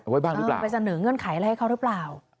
ไว้บ้างหรือเปล่าไปเสนอเงื่อนไขอะไรให้เขาหรือเปล่า